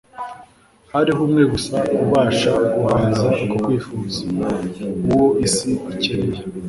Hariho Umwe gusa ubasha guhaza uko kwifuza. Uwo isi ikeneye,